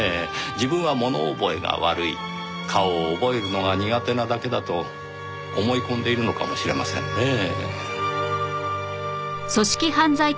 自分は物覚えが悪い顔を覚えるのが苦手なだけだと思い込んでいるのかもしれませんねぇ。